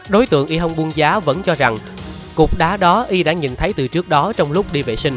đối tượng y hong buong gia vẫn cho rằng cục đá đó y đã nhìn thấy từ trước đó trong lúc đi vệ sinh